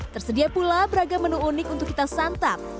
tersedia pula beragam menu unik untuk kita santap